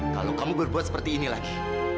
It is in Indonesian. kalau kamu berbuat seperti ini lagi